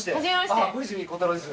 あっ小泉孝太郎です。